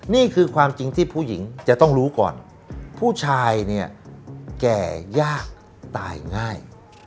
นี่คือความจริงที่ผู้หญิงจะต้องรู้ก่อนผู้ชายเนี่ยแก่ยากตายง่าย